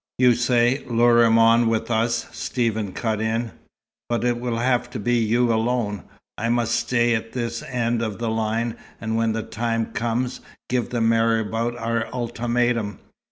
"You say, lure him on with 'us'" Stephen cut in. "But it will have to be you alone. I must stay at this end of the line, and when the time comes, give the marabout our ultimatum.